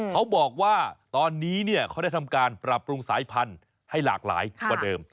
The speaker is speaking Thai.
เขาบอกว่าตอนนี้เขาได้ทำการปรับปรุงสายพันธุ์ให้หลากหลายกว่าเดิม